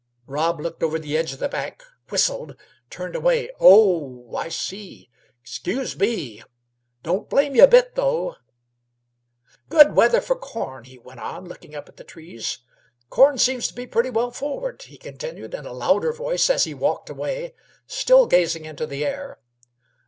Rob looked over the edge of the bank, whistled, turned away. "Oh, I see! Excuse me! Don't blame yeh a bit, though. Good weather f'r corn," he went on, looking up at the trees. "Corn seems to be pretty well forward," he continued, in a louder voice, as he walked away, still gazing into the air.